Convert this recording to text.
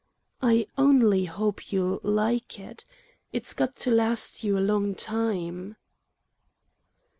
"I only hope you'll like it. It's got to last you a long time!"